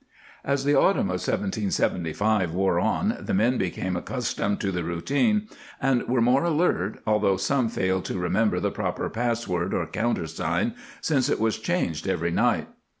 ^ As the autumn of 1775 wore on the men be came accustomed to the routine and were more alert, although some failed to remember the proper password or countersign, since it was changed every night.